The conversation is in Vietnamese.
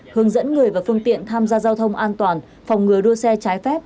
hướng dẫn người và phương tiện tham gia giao thông an toàn phòng ngừa đua xe trái phép